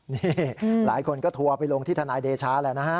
นี่หลายคนก็ทัวร์ไปลงที่ทนายเดชาแหละนะฮะ